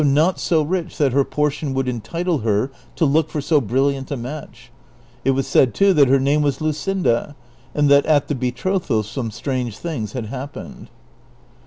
not so rich that her portion would entitle her to look for so brilliant a match ; it was said, too, that her name was Luscinda, and that at the betrothal some strange things had happened.